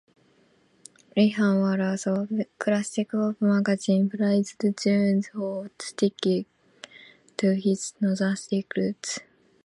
Wyndham Wallace of "Classic Pop" magazine praised Jones for sticking to his nostalgic roots.